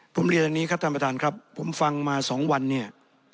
ผมเรียดในนี้ครับท่านประดานครับผมฟังมา๒วันเนี่ย